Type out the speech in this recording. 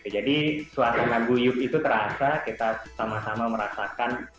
jadi suasana guyuk itu terasa kita sama sama merasakan